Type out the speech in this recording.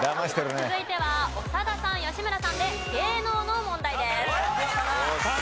続いては長田さん吉村さんで芸能の問題です。よしっ。